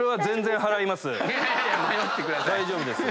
大丈夫です。